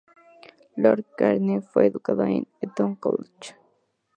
Lord Carnegie fue educado en el Eton College.